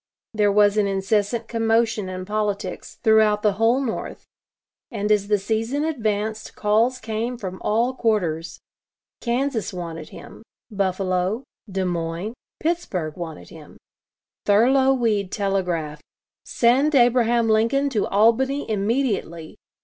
There was an incessant commotion in politics throughout the whole North, and as the season advanced calls came from all quarters. Kansas wanted him; Buffalo, Des Moines, Pittsburgh wanted him; Thurlow Weed telegraphed: "Send Abraham Lincoln to Albany immediately."